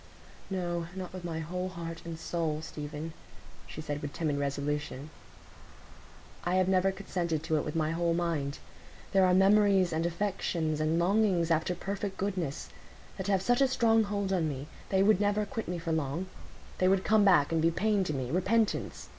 "No, not with my whole heart and soul, Stephen," she said with timid resolution. "I have never consented to it with my whole mind. There are memories, and affections, and longings after perfect goodness, that have such a strong hold on me; they would never quit me for long; they would come back and be pain to me—repentance.